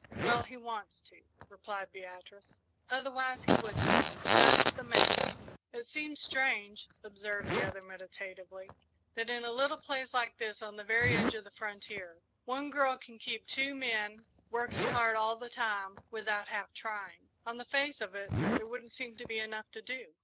"Well, he wants to," replied Beatrice, "otherwise he wouldn't. That's the man of it." "It seems strange," observed the other, meditatively, "that in a little place like this, on the very edge of the frontier, one girl can keep two men working hard all the time without half trying. On the face of it, there wouldn't seem to be enough to do."